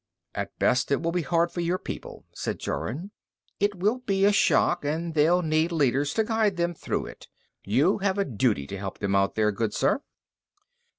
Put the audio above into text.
"At best, it will be hard for your people," said Jorun. "It will be a shock, and they'll need leaders to guide them through it. You have a duty to help them out there, good sir."